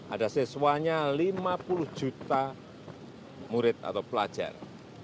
ada siswanya lima puluh juta murid atau pelajar